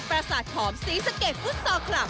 ประสาทหอมศรีสะเกดฟุตซอลคลับ